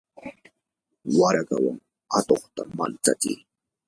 warakawan atuqta mantsachi.